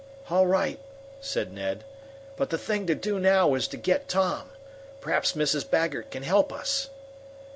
"All right," said Ned. "But the thing to do now is to get Tom. Perhaps Mrs. Baggert can help us."